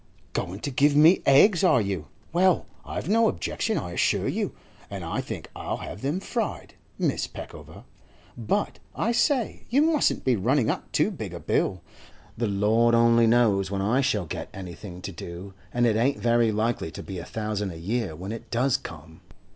'Going to give me eggs, are you? Well, I've no objection, I assure you. And I think I'll have them fried, Mrs. Peckover. But, I say, you mustn't be running up too big a bill. The Lord only knows when I shall get anything to do, and it ain't very likely to be a thousand a year when it does come.